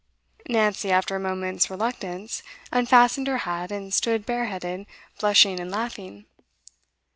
Nancy, after a moment's reluctance, unfastened her hat, and stood bareheaded, blushing and laughing.